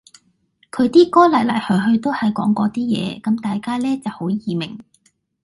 佢啲歌嚟嚟去去都係講嗰啲嘢，咁大家呢就好易明